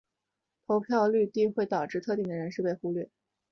低投票率会导致特定的人士被忽略。